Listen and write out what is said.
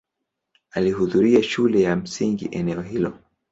Alihudhuria shule ya msingi eneo hilo.